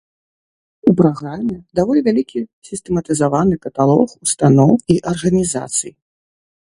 У праграме даволі вялікі сістэматызаваны каталог устаноў і арганізацый.